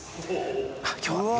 あっ今日は。